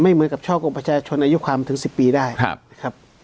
เหมือนกับช่อกงประชาชนอายุความถึง๑๐ปีได้นะครับ